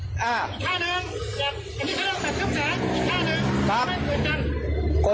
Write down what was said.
อีกท่านึงอันนี้ก็ตัดครึ่มแสงอีกท่านึงไม่เหมือนกัน